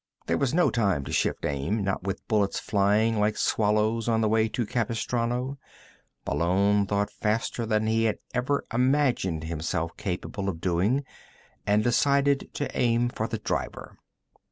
There was no time to shift aim not with bullets flying like swallows on the way to Capistrano. Malone thought faster than he had ever imagined himself capable of doing, and decided to aim for the driver.